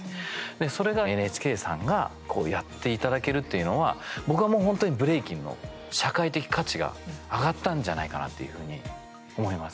それがＮＨＫさんがやっていただけるというのは僕は、もう本当にブレイキンの社会的価値が上がったんじゃないかなっていうふうに思います。